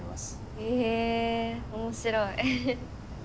へえ面白い。